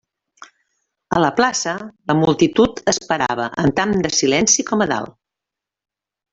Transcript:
A la plaça, la multitud esperava amb tant de silenci com dalt.